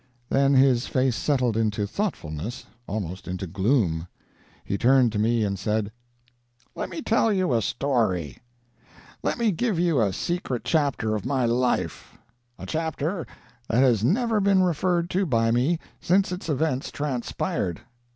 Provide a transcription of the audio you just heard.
Then his face settled into thoughtfulness almost into gloom. He turned to me and said, "Let me tell you a story; let me give you a secret chapter of my life a chapter that has never been referred to by me since its events transpired.